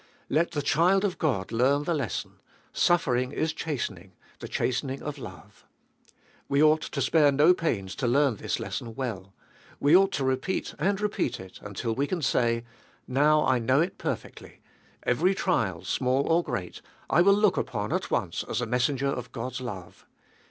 Let the child of God learn the lesson — suffering is chastening, the chastening of love. We Cbe iboltest of Btl 491 ought to spare no pains to learn this lesson well ; we ought to repeat and repeat it, until we can say — Now, I know it perfectly: every trial, small or great, I will look upon at once as a messenger of God's love.